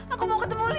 aku mau ketemu lia